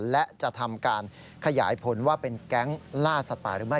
และจะทำการขยายผลว่าเป็นแก๊งล่าสัตว์ป่าหรือไม่